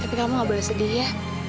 tapi kamu gak boleh sedih ya